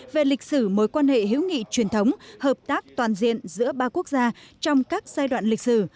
về lịch sử mối quan hệ hữu nghị truyền thống hợp tác toàn diện giữa ba quốc gia trong các giai đoạn lịch sử